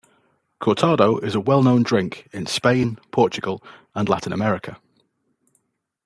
Cortado is a well known drink in Spain, Portugal and Latin America.